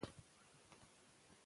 کیمیاګر د مثبت فکر فلسفه رواج کړه.